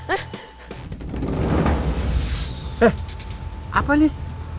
eh apa nih